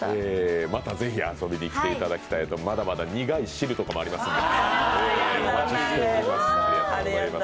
またぜひ遊びにきていただきたいと、まだまだ苦い汁とかもありますので。